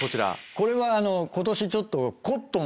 これは今年ちょっと。